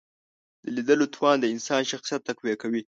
د لیدلو توان د انسان شخصیت تقویه کوي